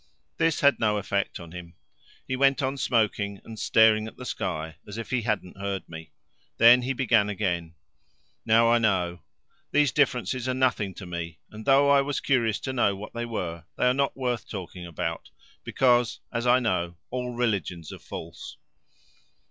This had no effect on him; he went on smoking and staring at the sky as if he hadn't heard me. Then he began again: "Now I know. These differences are nothing to me, and though I was curious to know what they were, they are not worth talking about, because, as I know, all religions are false."